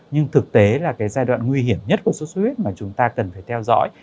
nhưng thực tế là cái giai đoạn nguy hiểm nhất của sốt xuất huyết mà chúng ta cần phải theo dõi